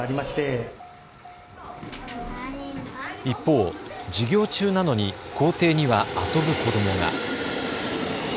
一方、授業中なのに校庭には遊ぶ子どもが。